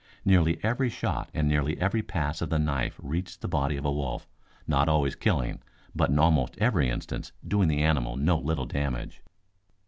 Nearly every shot and nearly every pass of the knife reached the body of a wolf, not always killing, but in almost every instance doing the animal no little damage.